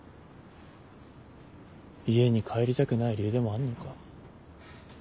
家に帰りたくない理由でもあんのか？